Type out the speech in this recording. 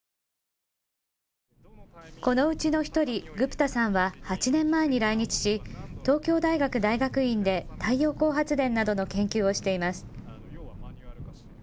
このうちの１人、グプタさんは８年前に来日し東京大学大学院で太陽光発電などの研究をしています。